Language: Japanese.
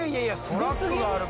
「トラックがある。